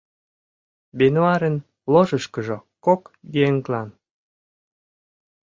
Бенуарын ложышкыжо кок еҥлан.